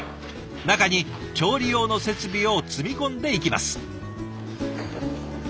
中に調理用の設備を積み込んでいきます。